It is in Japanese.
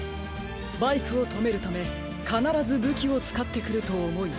バイクをとめるためかならずぶきをつかってくるとおもい。